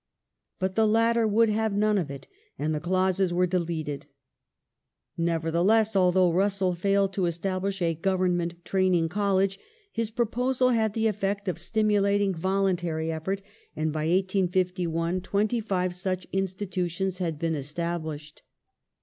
But the latter would have none of it, and the clauses were deleted. Nevertheless, although Russell failed to establish a Government Training College, his proposal had the effect of stimulating vol untary effort, and by 1851 twenty five such institutions had been established.